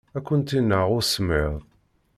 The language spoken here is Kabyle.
Ad kent-ineɣ usemmiḍ.